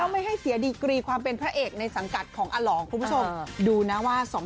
ไม่ให้เสียความเป็นพระเอกในสังกัดของอะหลองผมต้องดูนะว่าสอง